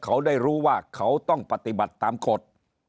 เขาได้รู้ว่าเขาต้องปฏิบัติตามกฎ